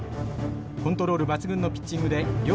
コントロール抜群のピッチングで両校譲らず